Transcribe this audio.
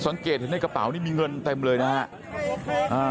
ในกระเป๋านี่มีเงินเต็มเลยนะครับ